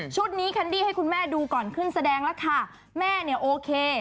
นี้แคนดี้ให้คุณแม่ดูก่อนขึ้นแสดงแล้วค่ะแม่เนี่ยโอเค